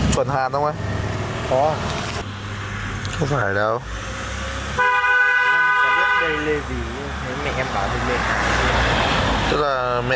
của sếp đây này